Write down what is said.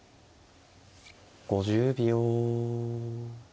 ５０秒。